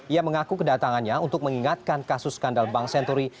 ia mengaku kedatangannya untuk mengingatkan kasus skandal bank senturi